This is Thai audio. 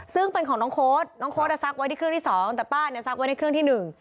ซึ่งเป็นของน้องโค้ดน้องโค้ดอ่ะซักไว้ที่เครื่องที่สองแต่ป้าเนี่ยซักไว้ในเครื่องที่หนึ่ง